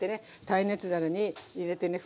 耐熱皿に入れてね